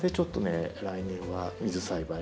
来年は水栽培は。